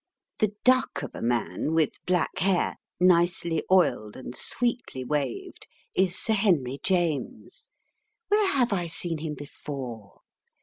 The duck of a man with black hair, nicely oiled and sweetly waved, is Sir Henry James. Where have I seen him before?